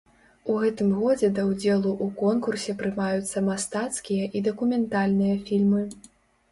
У гэтым годзе да ўдзелу ў конкурсе прымаюцца мастацкія і дакументальныя фільмы.